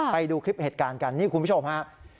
ไปดูคลิปเหตุการณ์กันนี่คุณผู้ชมฮะ